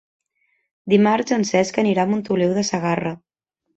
Dimarts en Cesc anirà a Montoliu de Segarra.